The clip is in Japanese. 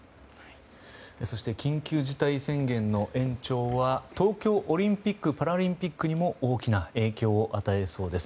そして緊急事態宣言の延長は東京オリンピック・パラリンピックにも大きな影響を与えそうです。